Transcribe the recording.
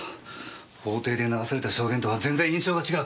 法廷で流された証言とは全然印象が違う。